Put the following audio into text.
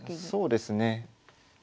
そうですね。